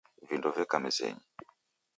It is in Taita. Vindo veka mezenyi.